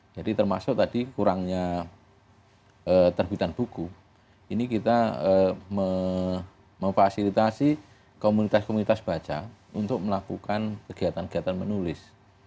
jadi termasuk tadi kurangnya terbitan buku ini kita memfasilitasi komunitas komunitas baca untuk melakukan kegiatan kegiatan menulis